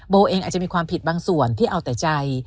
เองอาจจะมีความผิดบางส่วนที่เอาแต่ใจ